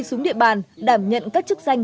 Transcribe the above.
xuống địa bàn đảm nhận các chức danh